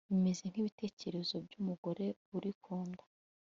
bimeze nk'ibitekerezo by'umugore uri ku nda